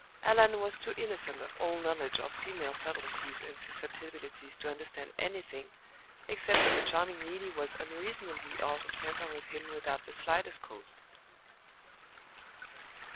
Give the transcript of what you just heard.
Allan was too innocent of all knowledge of female subtleties and susceptibilities to understand anything, except that the charming Neelie was unreasonably out of temper with him without the slightest cause.